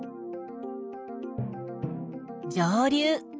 上流。